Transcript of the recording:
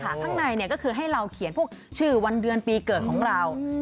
ข้างในก็คือให้เราเขียนพวกชื่อวันเดือนปีเกิดของเรา